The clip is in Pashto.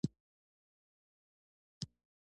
د شمعې په رڼا کې راته مسکی شو.